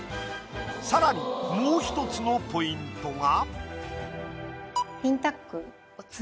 さらにもう１つのポイントが。